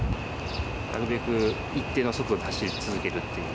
なるべく一定の速度で走り続けるっていう。